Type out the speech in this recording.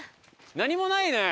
何もないね。